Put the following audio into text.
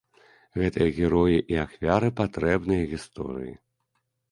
Гэтыя героі і ахвяры патрэбныя гісторыі.